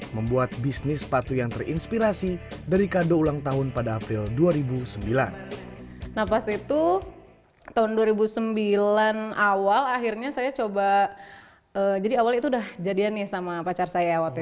membuat bisnis sepatu yang terinspirasi dari kado ulang tahun pada april dua ribu sembilan